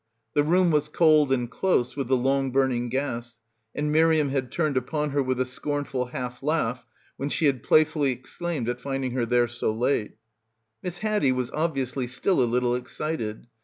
The room was cold and close with the long burning gas, and Miriam had turned upon her with a scornful half laugh when she had playfully exclaimed at finding her there so late. Miss Haddie was obviously still a little excited.